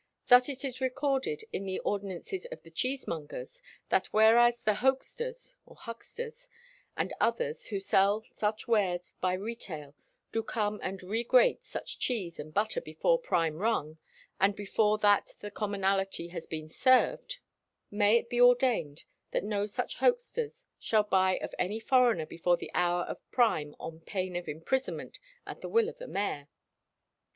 Thus it is recorded in the ordinances of the cheesemongers, that "whereas the hokesters (hucksters) and others who sell such wares by retail do come and regrate such cheese and butter before prime rung, and before that the commonalty has been served, may it be ordained that no such hokesters shall buy of any foreigner before the hour of prime on pain of imprisonment at the will of the mayor."